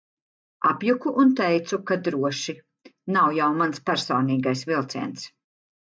Apjuku un teicu, ka droši, nav jau mans personīgais vilciens.